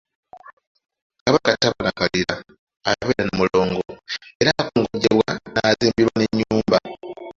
Kabaka taba nakalira, abeera na Mulongo era akongojjebwa n’azimbirwa n’ennyumba.